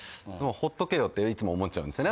ほっとけよっていつも思っちゃうんです。